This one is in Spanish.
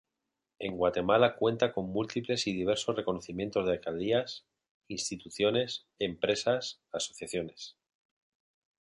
En Guatemala cuenta con múltiples y diversos reconocimientos de Alcaldías, instituciones, empresas, asociaciones.